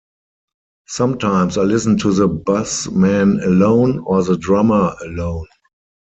Sometimes I listen to the bass man alone or the drummer alone.